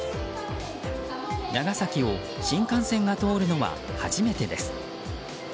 長崎を新幹線が通るのは初めてです。